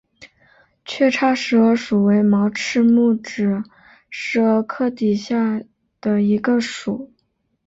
缺叉石蛾属为毛翅目指石蛾科底下的一个属。